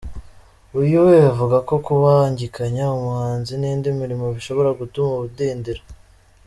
Uyu we avuga ko kubangikanya ubuhanzi n’indi mirimo bishobora gutuma udindira.